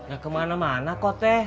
gak kemana mana kok teh